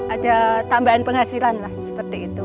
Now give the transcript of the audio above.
ada tambahan penghasilan lah seperti itu